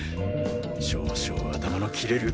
少々頭の切れる